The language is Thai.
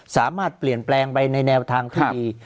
สามารถเปลี่ยนแปลงไปในแนวทางที่ดี